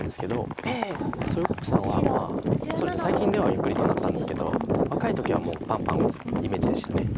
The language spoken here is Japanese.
蘇耀国さんは最近ではゆっくりとなったんですけど若い時はもうパンパン打つイメージでした。